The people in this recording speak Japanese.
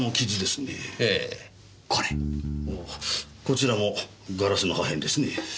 こちらもガラスの破片ですね。